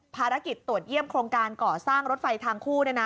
ภารกิจตรวจเยี่ยมโครงการก่อสร้างรถไฟทางคู่